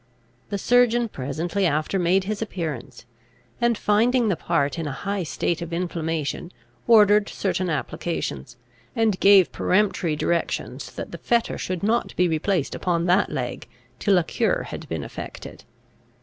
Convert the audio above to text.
The surgeon presently after made his appearance; and, finding the part in a high state of inflammation, ordered certain applications, and gave peremptory directions that the fetter should not be replaced upon that leg, till a cure had been effected.